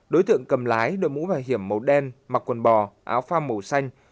đối tượng cầm lái đôi mũ và hiểm màu đen mặc quần bò áo pha màu xanh